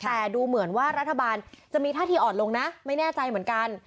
แต่ดูเหมือนว่ารัฐบาลจะมีท่าที่อ่อนลงนะไม่แน่ใจเหมือนกัน